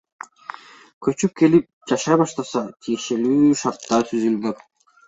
Көчүп келип, жашай башташса, тиешелүү шарттар түзүлмөк.